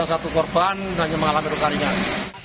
satu korban hanya mengalami luka ringan